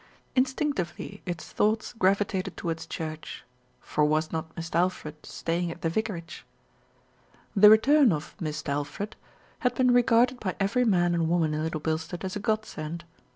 Instinctively its thoughts gravi tated towards church, for was not Mist' Alfred stay ing at the vicarage? The return of "Mist' Alfred" had been regarded by every man and woman in Little Bilstead as a godsend.